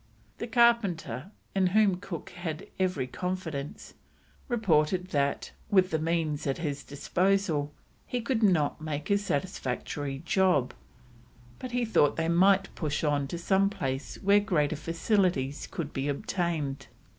The carpenter, in whom Cook had every confidence, reported that, with the means at his disposal, he could not make a satisfactory job, but he thought they might push on to some place where greater facilities could be obtained.